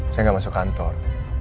saya gak masuk kantor